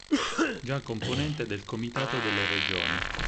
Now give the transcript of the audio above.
Già componente del Comitato delle regioni.